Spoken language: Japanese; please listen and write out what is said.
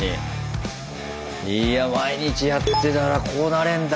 いや毎日やってたらこうなれんだ。